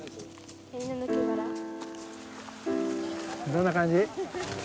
どんな感じ？